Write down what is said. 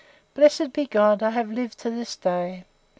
Blessed be God I have lived to this day!